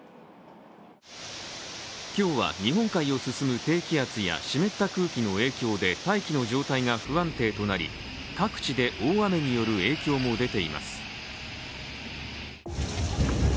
今日は日本海を進む低気圧や湿った空気の影響で大気の状態が不安定となり各地で大雨による影響が出ています。